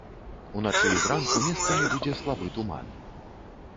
Уначы і зранку месцамі будзе слабы туман.